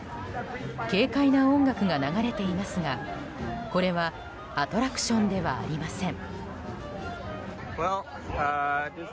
軽快な音楽が流れていますがこれはアトラクションではありません。